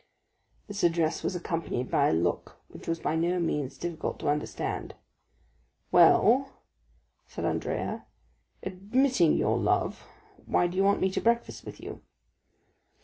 This address was accompanied by a look which was by no means difficult to understand. "Well," said Andrea, "admitting your love, why do you want me to breakfast with you?"